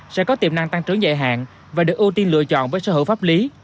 sẽ có tiềm năng tăng trưởng dài hạn và được ưu tiên lựa chọn với sở hữu pháp lý